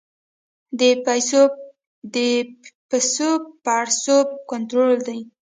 د پیسو پړسوب کنټرول دی؟